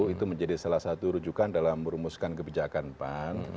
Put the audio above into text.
itu menjadi salah satu rujukan dalam merumuskan kebijakan pan